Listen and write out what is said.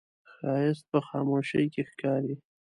ښایست په خاموشۍ کې ښکاري